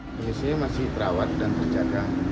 polisi masih terawat dan terjaga